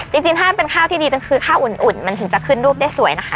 จริงถ้าเป็นข้าวที่ดีก็คือข้าวอุ่นมันถึงจะขึ้นรูปได้สวยนะคะ